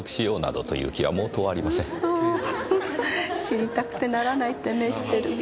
知りたくてならないって目してる。